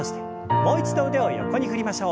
もう一度腕を横に振りましょう。